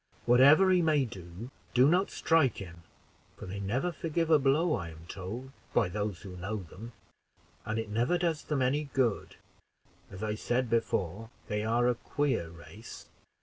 Whatever he may do, do not strike him; for they never forgive a blow, I am told by those who know them, and it never does them any good; as I said before, they are a queer race."